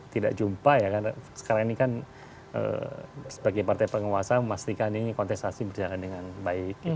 tidak jumpa ya karena sekarang ini kan sebagai partai penguasa memastikan ini kontestasi berjalan dengan baik